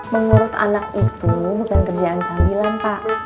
mengurus anak itu bukan kerjaan sambilan pak